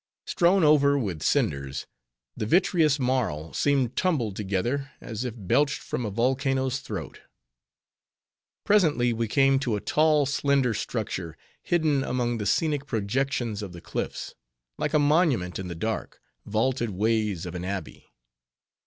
Strown over with cinders, the vitreous marl seemed tumbled together, as if belched from a volcano's throat. Presently, we came to a tall, slender structure, hidden among the scenic projections of the cliffs, like a monument in the dark, vaulted ways of an abbey.